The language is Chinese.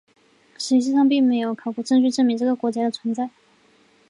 实际上并没有考古证据证明这个国家的存在。